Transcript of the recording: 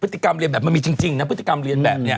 ติกรรมเรียนแบบมันมีจริงนะพฤติกรรมเรียนแบบนี้